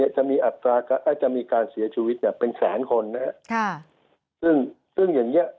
จะมีการเสียชีวิตเป็นแสนคนซึ่งอย่างนี้